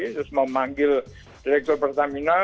terus memanggil direktur pertamina